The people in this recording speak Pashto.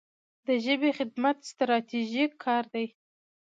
د ژبې خدمت ستراتیژیک کار دی.